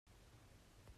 Amah cu mi dawh a si.